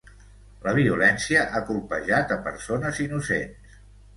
La violència ha colpejat a persones innocents.